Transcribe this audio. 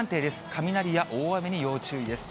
雷や大雨に要注意です。